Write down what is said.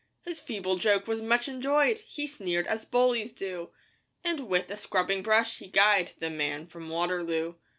His feeble joke was much enjoyed; He sneered as bullies do, And with a scrubbing brush he guyed The Man from Waterloo.